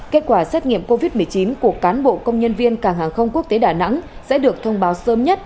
kết quả xét nghiệm covid một mươi chín của cán bộ công nhân viên cảng hàng không quốc tế đà nẵng sẽ được thông báo sớm nhất